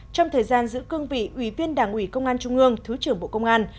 trong thời gian giữ cương vị ủy viên đảng ủy công an trung ương thứ trưởng bộ công an